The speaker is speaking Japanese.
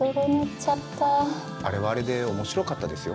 あれはあれで面白かったですよ。